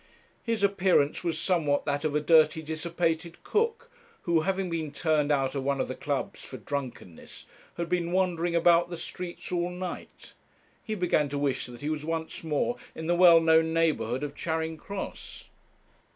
His appearance was somewhat that of a dirty dissipated cook who, having been turned out of one of the clubs for drunkenness, had been wandering about the streets all night. He began to wish that he was once more in the well known neighbourhood of Charing Cross.